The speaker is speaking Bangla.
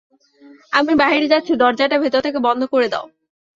আমি বাহিরে যাচ্ছি, দরজাটা ভেতর থেকে বন্ধ করে দাও।